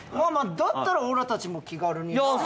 だったらオラたちも気軽にな。